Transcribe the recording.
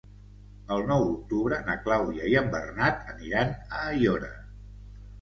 El nou d'octubre na Clàudia i en Bernat aniran a Aiora.